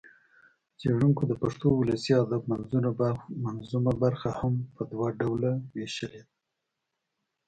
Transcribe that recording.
څېړنکو د پښتو د ولسي ادب منظومه برخه هم په دوه ډوله وېشلې